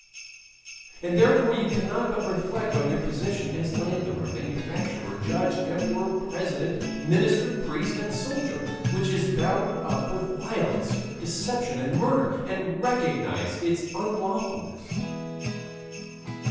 And therefore you cannot but reflect on your position as landowner, manufacturer, judge, emperor, president, minister, priest, and soldier, which is bound up with violence, deception, and murder, and recognize its unlawfulness.